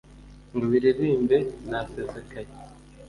ngo biririmbe ntasesekaye